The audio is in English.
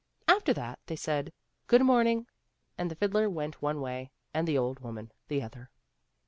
After that they said, " Good morning," and the fiddler went one way and the old woman the other.